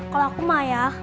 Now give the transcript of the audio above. kalau aku mayah